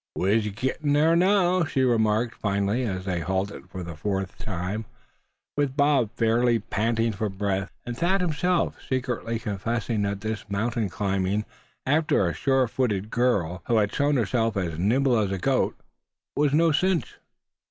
"We's gittin' thar now," she remarked, finally, as they halted for the fourth time, with Bob fairly panting for breath, and Thad himself secretly confessing that this mountain climbing after a surefooted girl who had shown herself as nimble as a goat, was no "cinch."